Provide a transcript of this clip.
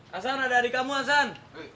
hasan ada adik kamu hasan